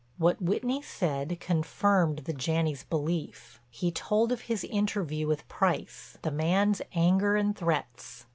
What Whitney said confirmed the Janneys' belief. He told of his interview with Price; the man's anger and threats.